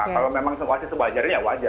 kalau memang sebuah aset wajarnya ya wajar